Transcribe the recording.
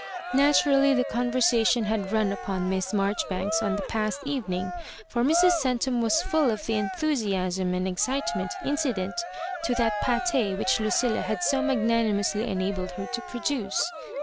Nfiturally the conversation had run upon Miss Marjoribanks on the past evening, for Mrs. Centum was full of the enthusiasm and ex citement incident to thai paU which Lucilla had so magnanimously enabled her to produce.